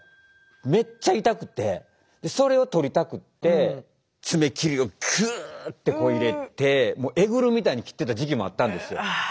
めっちゃ痛くてそれを取りたくって爪切りをくって入れてえぐるみたいに切ってた時期もあったんですよ。